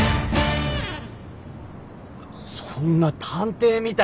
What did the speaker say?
そんな探偵みたいな。